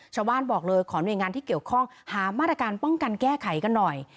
ชาวบ้านบอกเลยขอหน่วยงานที่เกี่ยวข้องหามาตรการป้องกันแก้ไขกันหน่อย